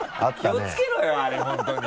気をつけろよあれ本当に。